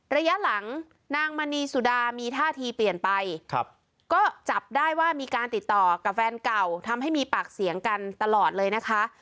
ระยะหลังนางมณีสุดามีท่าทีเปลี่ยนไปก็จับได้ว่ามีการติดต่อกับแฟนเก่าทำให้มีปากเสียงกันตลอดเลยนะคะ